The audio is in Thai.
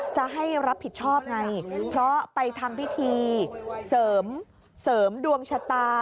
จะให้รับผิดชอบไงเพราะไปทำพิธีเสริมดวงชะตา